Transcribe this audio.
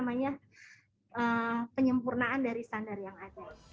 dan penyempurnaan dari standar yang ada